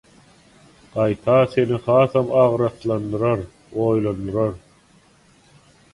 gaýta seni hasam agraslandyrar, oýlandyrar.